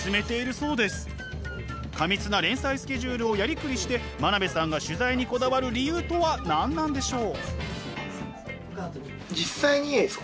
過密な連載スケジュールをやりくりして真鍋さんが取材にこだわる理由とは何なんでしょう？